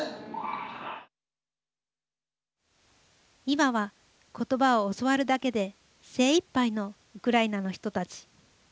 今は、ことばを教わるだけで精いっぱいのウクライナの人たち。